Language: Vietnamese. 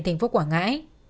thành phố quảng ngãi